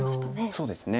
そうですね。